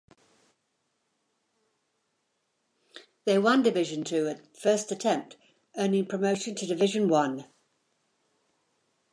They won Division Two at the first attempt, earning promotion to Division One.